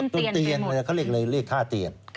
โดนเตียนไปหมดโดนเตียนเขาเรียกอะไรเรียกท่าเตียน